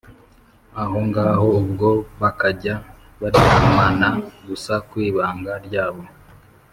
ahongaho ubwo bakajya baryamana gusa kwibanga ryabo